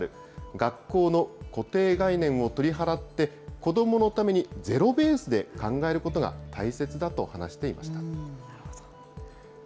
学校の固定概念を取り払って、子どものためにゼロベースで考えることが大切だと話していました。